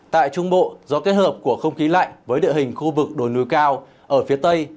tại trung bộ do kết hợp của không khí lạnh với địa hình khu vực đồi núi cao ở phía tây